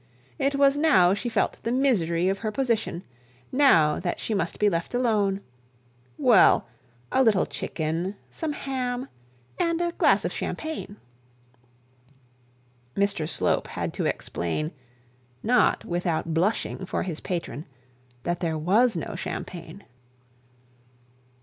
It was now she felt the misery of her position, now that she must be left alone. Well, a little chicken, some ham, and a glass of champagne. Mr Slope had to explain, not without blushing for his patron, that there was no champagne.